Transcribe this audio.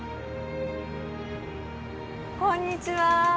こんにちは。